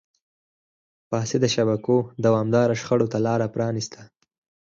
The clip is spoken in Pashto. فاسدو شبکو او دوامداره شخړو ته لار پرانیسته.